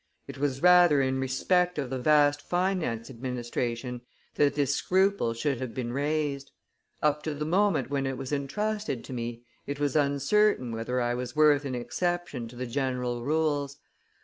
It was rather in respect of the vast finance administration that this scruple should have been raised. Up to the moment when it was intrusted to me, it was uncertain whether I was worth an exception to the general rules.